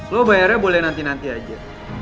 lo bayarnya boleh nanti nanti aja